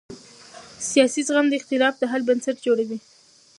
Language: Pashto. سیاسي زغم د اختلاف د حل بنسټ جوړوي